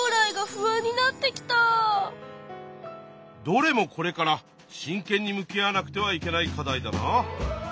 どれもこれから真けんに向き合わなくてはいけない課題だな。